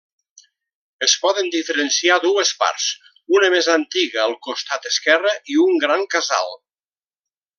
Es poden diferenciar dues parts, una més antiga al costat esquerre i un gran casal.